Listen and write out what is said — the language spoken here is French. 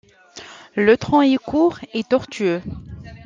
Le tronc est court et tortueux.